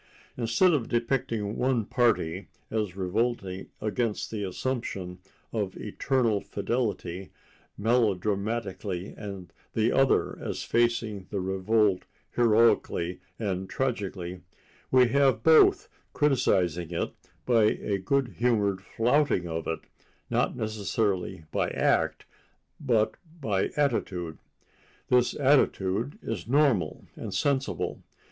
Instead of depicting one party as revolting against the assumption of eternal fidelity melodramatically and the other as facing the revolt heroically and tragically, we have both criticizing it by a good humored flouting of it—not necessarily by act, but by attitude. This attitude is normal and sensible.